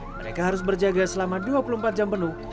mereka harus berjaga selama dua puluh empat jam penuh